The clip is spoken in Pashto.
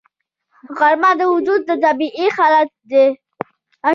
غرمه د وجود طبیعي حالت دی